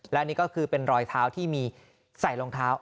และนี่ก็คือเป็นรอยเท้าที่มีใส่รองเท้า